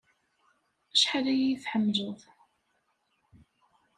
Acḥal ay iyi-tḥemmleḍ?